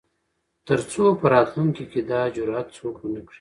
تر څو په راتلونکو کې دا جرات څوک ونه کړي.